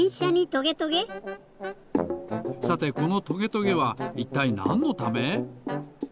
さてこのトゲトゲはいったいなんのため？